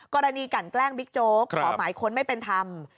กันแกล้งบิ๊กโจ๊กขอหมายค้นไม่เป็นธรรม